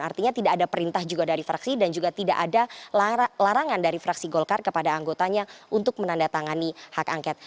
artinya tidak ada perintah juga dari fraksi dan juga tidak ada larangan dari fraksi golkar kepada anggotanya untuk menandatangani hak angket